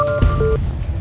nino jangan lupa